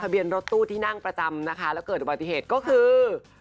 เบียนรถตู้ที่นั่งประจำนะคะแล้วเกิดอุบัติเหตุก็คือ